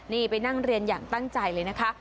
นี่ไปนั่งเรียนอย่างตั้งใจเลยนะคะ